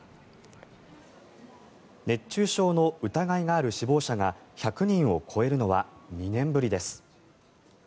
熱中症の疑いがある死亡者が１００人を超えるのは２年ぶりです。